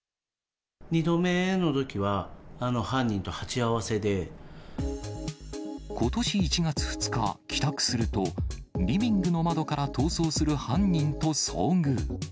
２度目のときは、犯人と鉢合ことし１月２日、帰宅すると、リビングの窓から逃走する犯人と遭遇。